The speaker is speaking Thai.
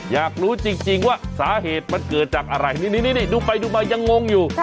อยากรู้จริงว่าสาเหตุมันเกิดจากอะไรนี่ดูไปดูมายังงงอยู่